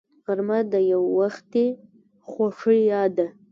غرمه د یووختي خوښۍ یاد ده